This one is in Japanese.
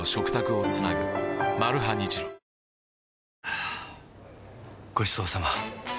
はぁごちそうさま！